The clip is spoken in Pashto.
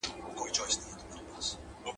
• برخي ټولي ازلي دي، نه په زور نه په زاري دي.